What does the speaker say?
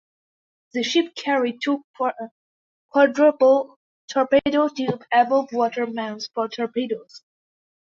The ship carried two quadruple torpedo tube above-water mounts for torpedoes.